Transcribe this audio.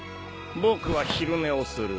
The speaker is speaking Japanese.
僕は昼寝をする。